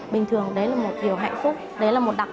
bình thường đấy là một điều hạnh phúc